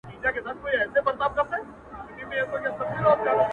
څوک د هدف مخته وي. څوک بيا د عادت مخته وي.